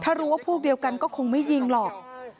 ถ้ารู้ว่าพวกเดียวกันก็คงไม่ยิงหรอก